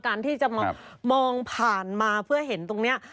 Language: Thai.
การที่จะมามองผ่านมาเพื่อเห็นตรงนี้